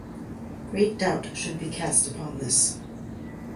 Great doubt should be cast upon this.